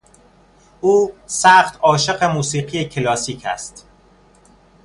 او سخت عاشق موسیقی کلاسیک است.